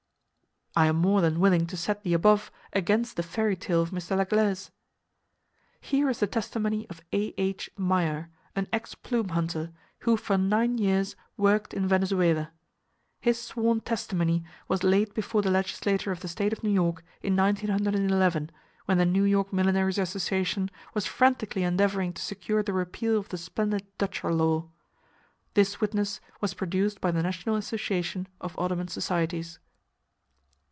I am more than willing to set the above against the fairy tale of Mr. Laglaize. Here is the testimony of A.H. Meyer, an ex plume hunter, who for nine [Page 130] years worked in Venezuela. His sworn testimony was laid before the Legislature of the State of New York, in 1911, when the New York Milliners' Association was frantically endeavoring to secure the repeal of the splendid Dutcher law. This witness was produced by the National Association of Audubon Societies.